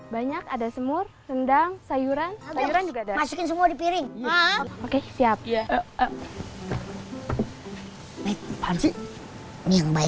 banyak ada semur rendang sayuran sayuran juga masukin semua di piring siap